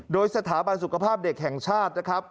โดยสถาบันสุขภาพเด็กแห่งชาตินะครับ